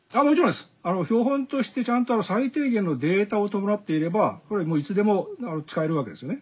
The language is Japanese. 標本としてちゃんと最低限のデータを伴っていればこれはもういつでも使えるわけですよね。